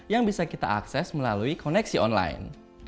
yang bisa kita akses melalui koneksi online